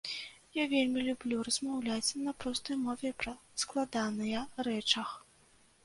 Я вельмі люблю размаўляць на простай мове пра складаныя рэчах.